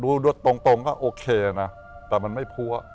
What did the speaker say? ตรงก็โอเคนะแต่มันไม่พัว